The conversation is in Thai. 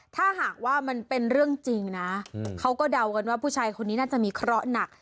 ถ้าหากว่ามันเป็นเรื่องจริงนะเขาก็เดากันว่าผู้ชายคนนี้น่าจะมีเคราะห์หนัก